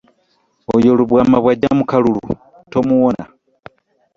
Oyo Lubwama bw'ajja mu kalulu tomuwona.